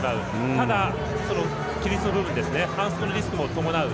ただ、規律の部分ですね反則のリスクも伴う。